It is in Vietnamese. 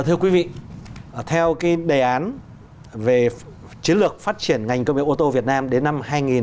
thưa quý vị theo cái đề án về chiến lược phát triển ngành công nghiệp ô tô việt nam đến năm hai nghìn hai mươi năm